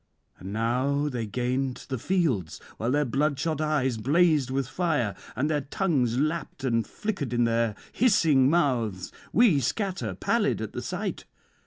And now they gained the fields, while their bloodshot eyes blazed with fire, and their tongues lapped and flickered in their hissing mouths. We scatter, pallid at the sight.